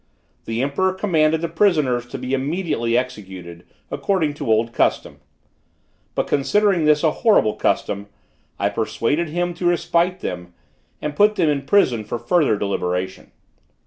The emperor commanded the prisoners to be immediately executed, according to old custom; but considering this a horrible custom, I persuaded him to respite them, and put them in prison for further deliberation.